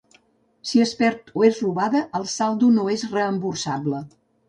Si es perd o és robada, el saldo no és reemborsable.